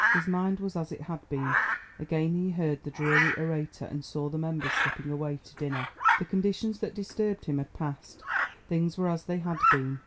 His mind was as it had been; again he heard the dreary orator and saw the members slipping away to dinner. The conditions that disturbed him had passed, things were as they had been.